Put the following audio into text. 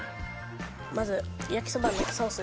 まず焼きそばのソース。